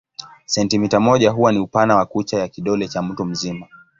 Sentimita moja huwa ni upana wa kucha ya kidole cha mtu mzima.